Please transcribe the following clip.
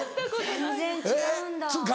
全然違うんだ。